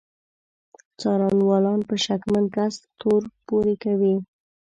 څارنوالان په شکمن کس تور پورې کوي.